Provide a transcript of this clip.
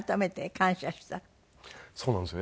そうなんですよ。